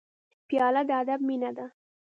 پیاله د ادب مینه ده.